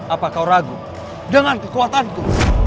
apa kau ragu dengan kekuatanku